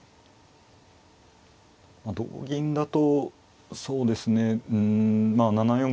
まあ同銀だとそうですねうん７四